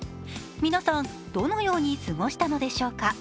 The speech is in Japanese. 皆さん、どのように過ごしたのでしょうか？